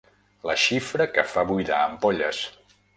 La xifra que fa buidar ampolles.